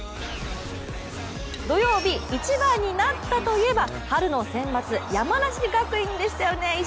土曜日、一番になったといえば春のセンバツ、山梨学院でしたよね